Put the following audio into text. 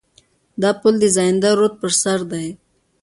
دا پل د زاینده رود پر سر دی.